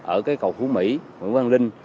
ở cầu phú mỹ nguyễn văn linh